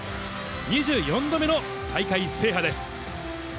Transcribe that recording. ２４度目の大会制覇です。